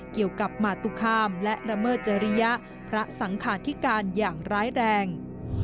เกี่ยวกับมาตุคามและละเมิดจริยะพระสังคาธิการอย่างร้ายแรง